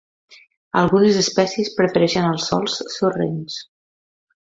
Algunes espècies prefereixen els sòls sorrencs.